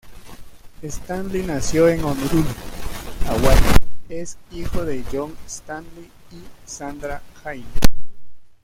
Stanley nació en Honolulu, Hawaii, es hijo de Jon Stanley y Sandra Haine.